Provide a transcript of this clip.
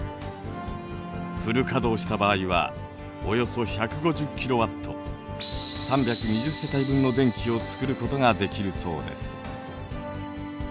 フル稼働した場合はおよそ１５０ｋＷ３２０世帯分の電気を作ることができるそうです。